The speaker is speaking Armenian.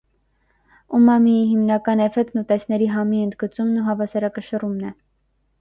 Ումամիի հիմնական էֆեկտն ուտեստների համի ընդգծումն ու հավասարակշռումն է։